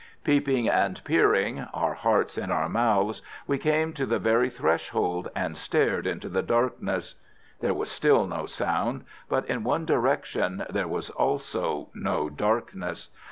Peeping and peering, our hearts in our mouths, we came to the very threshold, and stared into the darkness. There was still no sound, but in one direction there was also no darkness.